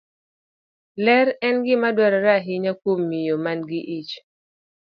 Ler en gima dwarore ahinya kuom miyo ma nigi ich.